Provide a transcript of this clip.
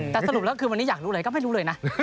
แต่สรุปแล้วคือวันนี้อยากรู้เลยก็ไม่รู้เลยนะ